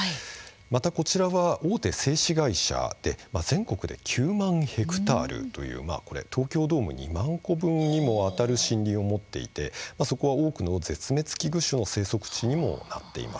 またこちらは大手製紙会社で全国で９万ヘクタールという東京ドーム２万個分にもあたる森林を持っていてそこは多くの絶滅危惧種の生息地にもなっています。